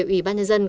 ủy ban nhân dân